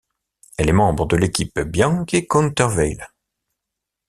Elle est membre de l'équipe Bianchi Countervail.